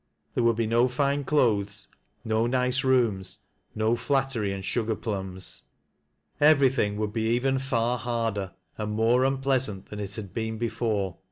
There would be no fine clothes, no nice rooms, no flattei"y and sugar plums. Everything would be even far harder, and more unpleasant than it had been before.